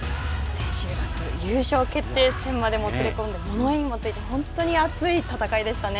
千秋楽、優勝決定戦までもつれ込んで物言いもついて本当に熱い戦いでしたね。